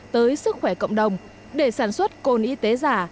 tới sức khỏe cộng đồng để sản xuất cồn y tế giả